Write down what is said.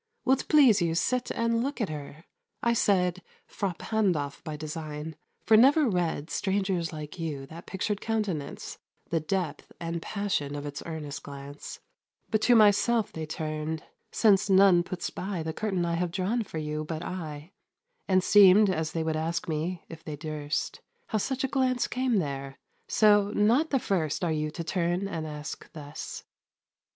Will't please you sit and look at her? I said "Fra Pandolf" by design, for never read Strangers like you that pictured countenance, The depth and passion of its earnest glance, But to myself they turned (since none puts by the curtain I have drawn for you, but I) 10 And seemed as they would ask me, if they durst, How such a glance came there; so, not the first Are you to turn and ask thus.